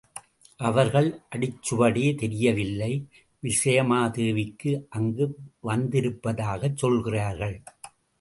அவர்கள் அடிச்சுவடே தெரியவில்லை. விசயமா தேவி அங்கு வந்திருப்பதாகச் சொல்கிறார்கள்.